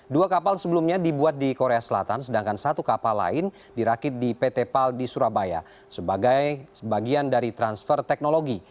dua kapal sebelumnya dibuat di korea selatan sedangkan satu kapal lain dirakit di pt pal di surabaya sebagai bagian dari transfer teknologi